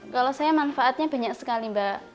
kalau saya manfaatnya banyak sekali mbak